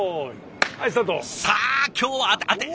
さあ今日は当て。